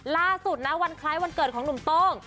ล่าสุดนะวันคล้ายวันเกิดของหนุ่มโต้ง